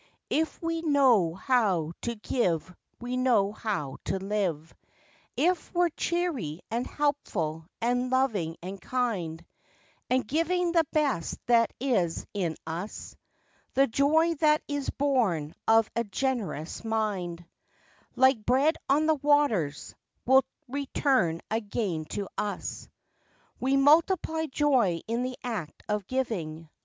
If we know how to give we know how to live, If we're cheery and helpful, and loving and kind, And giving the best that is in us, The joy that is born of a generous mind, Like "bread on the waters" will return again to us. We multiply joy in the act of giving.